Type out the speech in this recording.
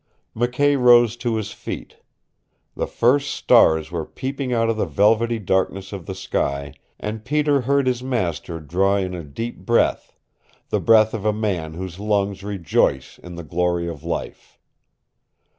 McKay rose to his feet. The first stars were peeping out of the velvety darkness of the sky, and Peter heard his master draw in a deep breath the breath of a man whose lungs rejoice in the glory of life.